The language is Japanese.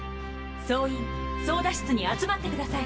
総員操舵室に集まってください。